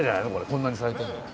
こんなに咲いてんのは。